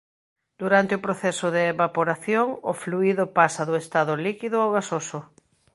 Durante o proceso de evaporación o fluído pasa do estado líquido ao gasoso.